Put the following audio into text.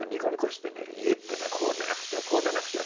「家っていうのはこうでなくちゃこうでなくちゃ」って言って。